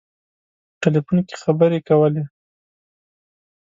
په ټلفون کې خبري کولې.